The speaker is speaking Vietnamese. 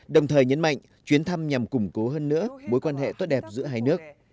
đồng thời nhấn mạnh chuyến thăm nhằm củng cố hơn nữa mối quan hệ tốt đẹp giữa hai nước